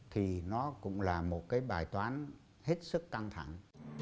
thì nó cũng là một cái bài toán hết sức căng thẳng